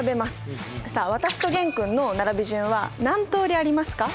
さあ私と玄君の並び順は何通りありますか？